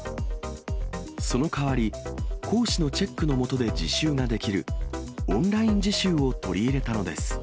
その代わり、講師のチェックの下で自習ができる、オンライン自習を取り入れたのです。